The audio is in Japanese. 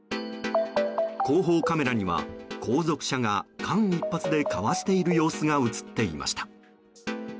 後方カメラには後続車が間一髪でかわしている様子が映っていました。